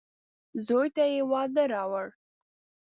زوی ته يې واده راووړ.